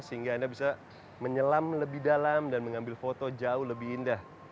sehingga anda bisa menyelam lebih dalam dan mengambil foto jauh lebih indah